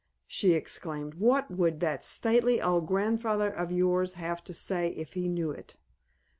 she exclaimed. "What would that stately old grandfather of yours have to say if he knew it?"